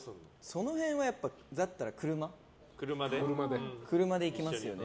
その辺だったら車で行きますよね。